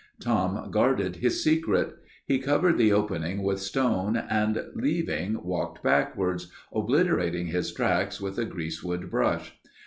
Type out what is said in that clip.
Tom guarded his secret. He covered the opening with stone and leaving, walked backwards, obliterating his tracks with a greasewood brush.